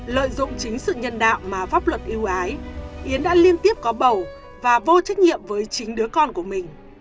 lợi dụng chính sự nhân đạo mà pháp luật yêu ái yến đã liên tiếp có bầu và vô trách nhiệm với chính đứa con của mình